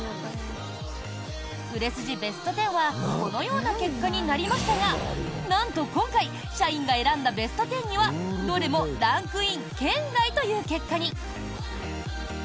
売れ筋ベスト１０はこのような結果になりましたがなんと今回社員が選んだベスト１０にはどれもランクイン圏外という結果に。